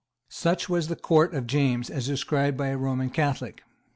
Such was the Court of James, as described by a Roman Catholic.